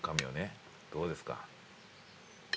どうですか？